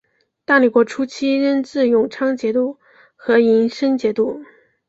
大理国初期仍置永昌节度和银生节度。